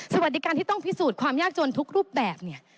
สวัสดีการที่ต้องพิสูจน์ความยากจนทุกรูปแบบเนี่ย